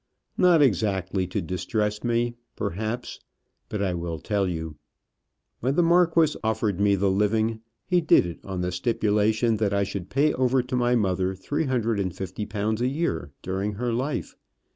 "Not exactly to distress me, perhaps; but I will tell you. When the marquis offered me the living, he did it on the stipulation that I should pay over to my mother three hundred and fifty pounds a year during her life.